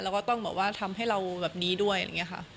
แล้วก็ต้องบอกว่าทำให้เราแบบนี้ด้วยอะไรอย่างนี้ค่ะ